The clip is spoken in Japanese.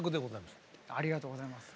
ありがとうございます。